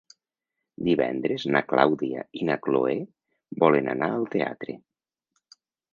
Divendres na Clàudia i na Cloè volen anar al teatre.